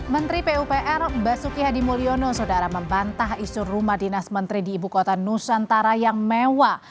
menteri pupr basuki hadi mulyono saudara membantah isu rumah dinas menteri di ibu kota nusantara yang mewah